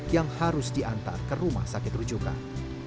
yang harus diantar ke rumah sakit rujukan